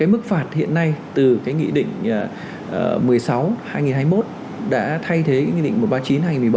mức phạt hiện nay từ nghị định một mươi sáu hai nghìn hai mươi một đã thay thế nghị định một trăm ba mươi chín hai nghìn một mươi bảy